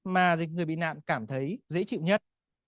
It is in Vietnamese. mà người bị nạn cảm thấy dễ chịu nhất